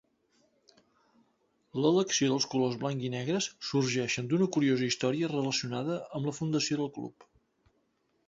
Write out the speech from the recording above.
L'elecció dels colors blanc-i-negres sorgeixen d'una curiosa història relacionada amb la fundació del club.